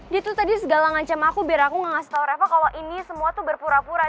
dia tuh tadi segala ngancem aku biar aku gak ngasih tau reva kalau ini semua tuh berpura pura